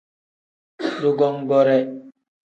Dugongoore.